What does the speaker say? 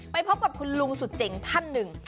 พบกับคุณลุงสุดเจ๋งท่านหนึ่ง